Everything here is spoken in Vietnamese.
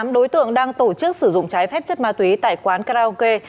tám đối tượng đang tổ chức sử dụng trái phép chất ma túy tại quán karaoke